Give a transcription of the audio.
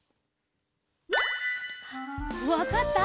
わかった？